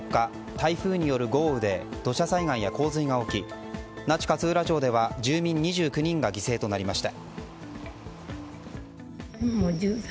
台風による豪雨で土砂災害や洪水が起き那智勝浦町では住民２９人が犠牲となりました。